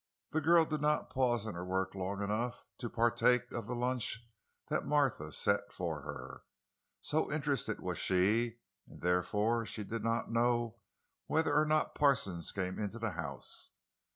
The girl did not pause in her work long enough to partake of the lunch that Martha set for her—so interested was she; and therefore she did not know whether or not Parsons came into the house.